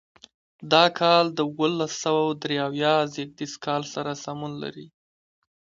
دا کال د اوولس سوه درې اویا زېږدیز کال سره سمون لري.